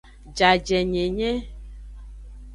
Jajenyenye.